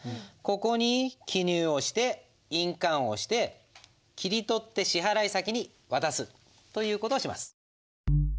ここに記入をして印鑑を押して切り取って支払先に渡すという事をします。